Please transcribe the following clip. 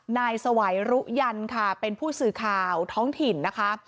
นายสวัยรุยันค่ะเป็นผู้สื่อข่าวท้องถิ่นนะคะ